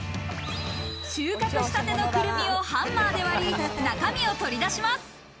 収穫したてのくるみをハンマーで割り、中身を取り出します。